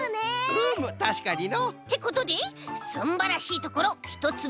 うむたしかにの。ってことですんばらしいところひとつめは。